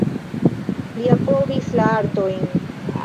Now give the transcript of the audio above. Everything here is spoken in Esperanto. Li apogis la artojn.